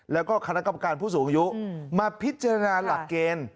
แล้วก็คณะกรรมการผู้สูงอายุมาพิจารณาหลักเกณฑ์